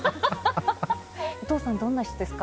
お父さん、どんな人ですか？